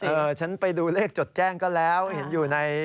ยอมรับว่าการตรวจสอบเพียงเลขอยไม่สามารถทราบได้ว่าเป็นผลิตภัณฑ์ปลอม